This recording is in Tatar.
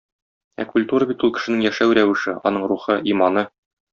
Ә культура бит ул кешенең яшәү рәвеше, аның рухы, иманы.